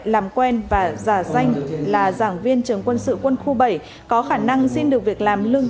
làm quen và giả danh là giảng viên trường quân sự quân khu bảy có khả năng xin được việc làm lương